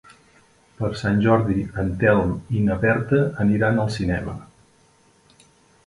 Per Sant Jordi en Telm i na Berta aniran al cinema.